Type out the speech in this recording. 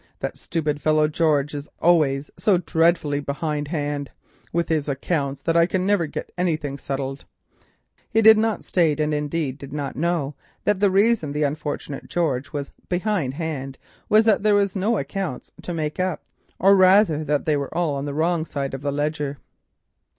That stupid fellow George is always so dreadfully behindhand with his accounts that I can never get anything settled." (He did not state, and indeed did not know, that the reason that the unfortunate George was behindhand was that there were no accounts to make up, or rather that they were all on the wrong side of the ledger).